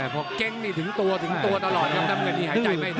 พอเก๊งนี่ถึงตัวถึงตัวตลอดครับน้ำเงินนี้หายใจไม่ดี